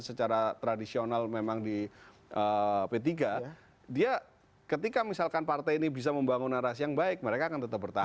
secara tradisional memang di p tiga dia ketika misalkan partai ini bisa membangun narasi yang baik mereka akan tetap bertahan